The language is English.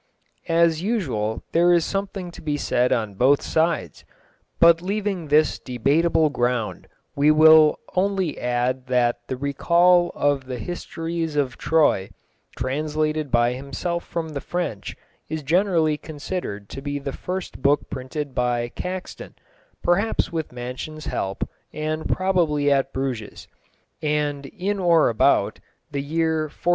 As usual there is something to be said on both sides, but leaving this debateable ground we will only add that the Recuyell of the Histories of Troye, translated by himself from the French, is generally considered to be the first book printed by Caxton, perhaps with Mansion's help, and probably at Bruges, and in or about the year 1475.